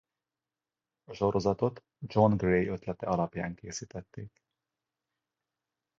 A sorozatot John Gray ötlete alapján készítették.